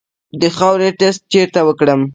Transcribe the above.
د خاورې ټسټ چیرته وکړم؟